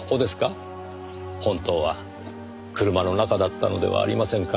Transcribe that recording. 本当は車の中だったのではありませんか？